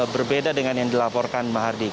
berbeda dengan yang dilaporkan mahardika